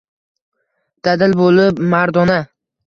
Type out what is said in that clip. Dadil bo‘lib mardona.